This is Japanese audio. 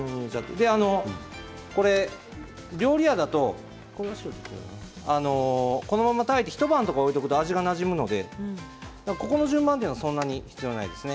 料理屋だと、このまま炊いて一晩置いておくと味がなじむのでこの順番は必要ありません。